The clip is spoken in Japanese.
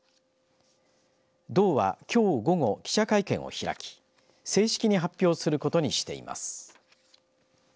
道はきょう午後記者会見を開き正式に発表することにしています。